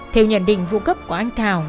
theo nhận định vụ cấp của anh thảo